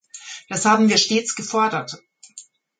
Das haben wir stets gefordert.